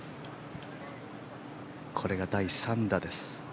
これが第３打です。